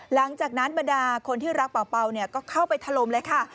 หลังจากนั้นบรรดาคนที่รักเป่าก็เข้าไปถล่มเลยค่ะ